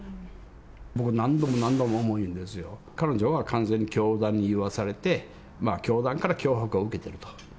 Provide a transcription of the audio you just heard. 僕、何度も何度も思うんですよ、彼女は完全に教団に言わされて、教団から脅迫を受けていると。